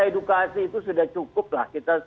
edukasi itu sudah cukup lah kita